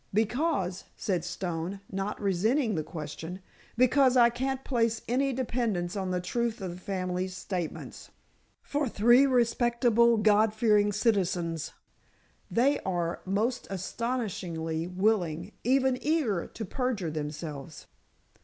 "Because," said Stone, not resenting the question, "because I can't place any dependence on the truth of the family's statements. For three respectable, God fearing citizens, they are most astonishingly willing, even eager, to perjure themselves.